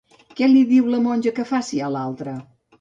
Què li diu la monja que faci, a l'altre?